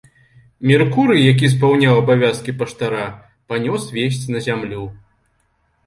Меркурый, які спаўняў абавязкі паштара, панёс весць на зямлю.